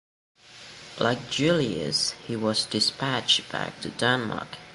Like Julius, he was dispatched back to Denmark.